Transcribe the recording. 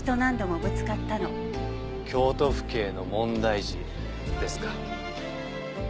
京都府警の問題児ですか。